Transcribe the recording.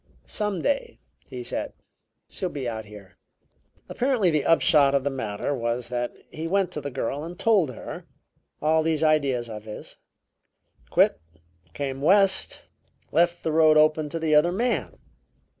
'Some day,' he said, 'she'll be out here.' "Apparently the upshot of the matter was that he went to the girl and told her all these ideas of his; quit, came West; left the road open to the other man.